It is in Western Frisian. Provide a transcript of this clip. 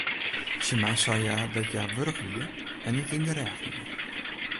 Tsjin my sei hja dat hja wurch wie en it yn de rêch hie.